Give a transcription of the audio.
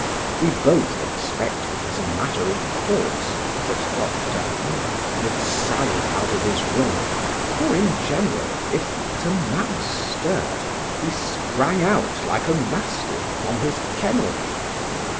We both expected, as a matter of course, that Dr. —— would sally, out of his room, for in general, if but a mouse stirred, he sprang out like a mastiff from his kennel.